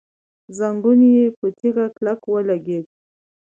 زنګون يې په تيږه کلک ولګېد.